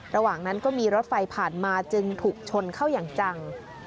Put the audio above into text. ระหว่างนั้นก็มีรถไฟผ่านมาจึงถูกชนเข้าอย่างจัง